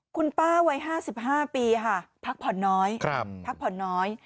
คุณป้าวัย๕๕ภาคผ่อนน้อย